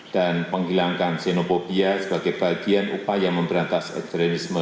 dan penghilangkan xenofobia sebagai bagian upaya memberantas ekstremisme